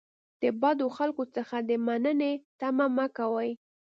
د بدو خلکو څخه د مننې تمه مه کوئ.